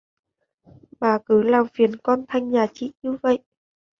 Mà cứ làm phiền con thanh nhà chị như vậy